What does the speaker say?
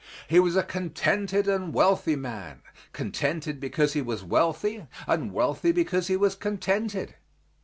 He was a contented and wealthy man contented because he was wealthy, and wealthy because he was contented.